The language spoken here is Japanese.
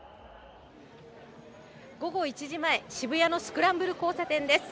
午後１時前、渋谷のスクランブル交差点です。